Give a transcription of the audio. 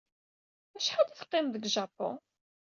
Acḥal ay teqqimeḍ deg Japun?